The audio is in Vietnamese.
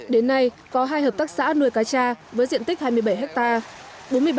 đến nay có hai hợp tác xã nuôi cá cha với diện tích hai mươi bảy hectare